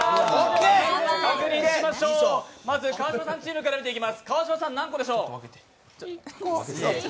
まず川島さんチームから見ていきます。